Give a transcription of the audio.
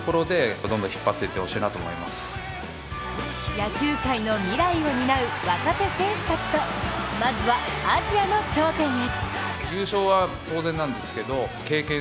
野球界の未来を担う若手選手たちと、まずはアジアの頂点へ。